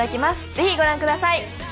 ぜひご覧ください